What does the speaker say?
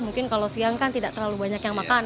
mungkin kalau siang kan tidak terlalu banyak yang makan